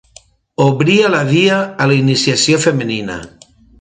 Obria la via a la iniciació femenina.